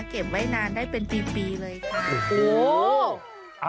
เก็บไว้นานได้เป็นปีเลยค่ะ